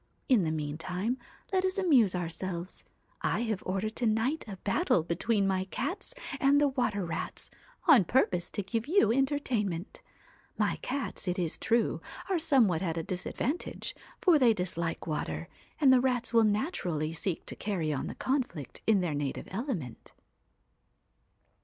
In the meantime let us amuse ourselves. I have ordered to night a battle between my cats and the water rats, on purpose to give you entertainment. My cats, it is true, are somewhat at a disadvantage, for they dislike water, and the rats will naturally seek to carry on the conflict on their native element.'